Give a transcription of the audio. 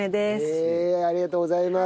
へえありがとうございます。